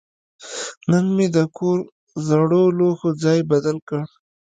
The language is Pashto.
نن مې د کور زړو لوښو ځای بدل کړ.